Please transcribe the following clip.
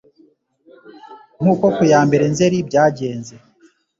Nk'uko ku ya mbere Nzeri byagenze